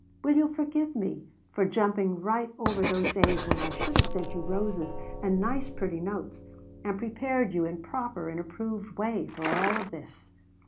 Will you forgive me for jumping right over those days when I should have sent you roses and nice pretty notes, and prepared you in proper and approved way for all of this?